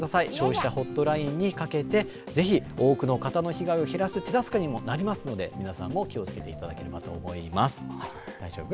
消費者ホットラインにかけてぜひ多くの方の被害を減らす手助けにもなりますので皆さんも気を付けていただければ大丈夫。